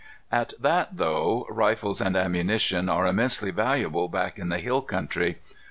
At that, though, rifles and ammunition are immensely valuable back in the hill country.